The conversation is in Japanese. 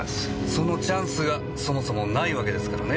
そのチャンスがそもそもないわけですからね。